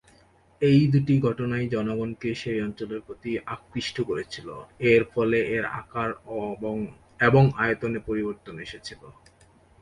এই দুটি ঘটনাই জনগণকে সেই অঞ্চলের প্রতি আকৃষ্ট করেছিল, এর ফলে এর আকার এবং আয়তনে পরিবর্তন এসেছিল।